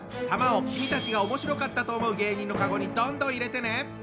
玉を君たちが面白かったと思う芸人のカゴにどんどん入れてね！